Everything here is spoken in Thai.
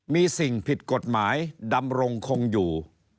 มีสิ่งผิดกฎหมายดำรงคงอยู่